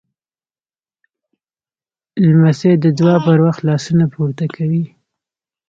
لمسی د دعا پر وخت لاسونه پورته کوي.